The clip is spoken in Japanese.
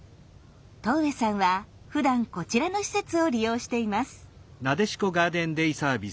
戸上さんはふだんこちらの施設を利用しています。